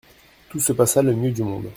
Tout se passa le mieux du monde.